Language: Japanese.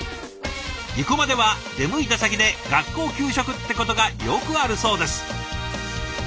生駒では出向いた先で学校給食ってことがよくあるそうです。